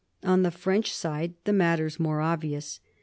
On the French side the mat ter is more obvious.